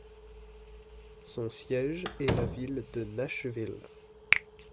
Son siège est la ville de Nashville.